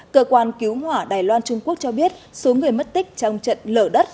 cơ quan cứu hỏa đài loan trung quốc cho biết số người mất tích trong trận lở đất